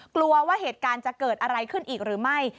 กลัวว่าเหตุการณ์จะเกิดอะไรขึ้นอีกหรือไม่